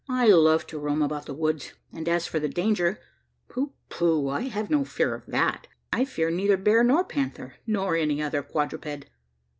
I love to roam about the woods; and as for the danger pooh, pooh I have no fear of that. I fear neither bear nor panther, nor any other quadruped.